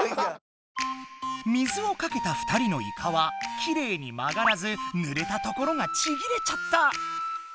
水をかけた２人のイカはきれいに曲がらずぬれたところがちぎれちゃった。